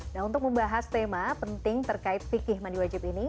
nah untuk membahas tema penting terkait fikih mandi wajib ini